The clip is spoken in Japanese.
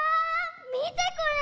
みてこれ！